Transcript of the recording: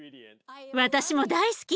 私も大好き。